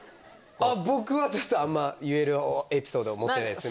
僕はちょっとあんま、言えるエピソードを持ってないですね。